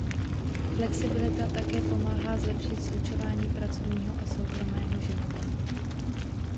Flexibilita také pomáhá zlepšit slučování pracovního a soukromého života.